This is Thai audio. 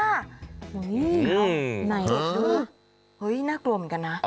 ฮือไหนดูนะโอ้โฮเฮ่ยน่ากลัวเหมือนกันนะ